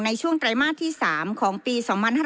ในช่วงไตรมาสที่๓ของปี๒๕๕๙